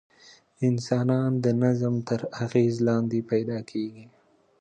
انسانان د نظم تر اغېز لاندې پیدا کېږي.